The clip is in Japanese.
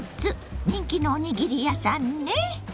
人気のおにぎり屋さんね。